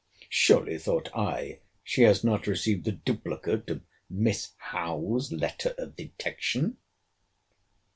[Surely, thought I, she has not received a duplicate of Miss Howe's letter of detection!